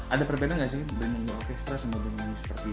ada perbeda gak sih dengan orkestra sama dengan seperti itu